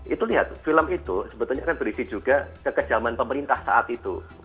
itu lihat film itu sebetulnya kan berisi juga kekejaman pemerintah saat itu